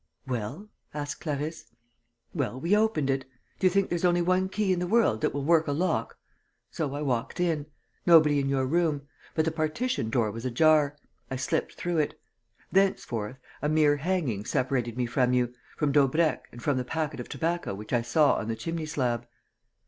"Well?" asked Clarisse. "Well, we opened it. Do you think there's only one key in the world that will work a lock? So I walked in. Nobody in your room. But the partition door was ajar. I slipped through it. Thenceforth, a mere hanging separated me from you, from Daubrecq and from the packet of tobacco which I saw on the chimney slab."